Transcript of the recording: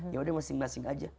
ya udah masing masing aja